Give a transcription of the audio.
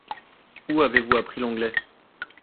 Où avez-vous appris l'anglais ?